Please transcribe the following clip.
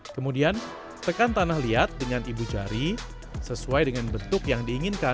kemudian tekan tanah liat dengan ibu jari sesuai dengan bentuk yang diinginkan